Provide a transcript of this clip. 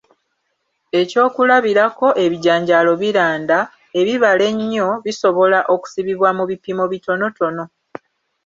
Ekyokulabirako, ebijanjaalo ebiranda, ebibala ennyo, bisobola okusibibwa mu bipimo bitonotono.